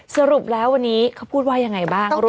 สรุปแล้ววันนี้เขาพูดว่ายังไงบ้าง